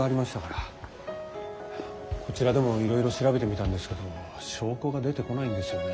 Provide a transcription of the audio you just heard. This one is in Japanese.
こちらでもいろいろ調べてみたんですけど証拠が出てこないんですよね。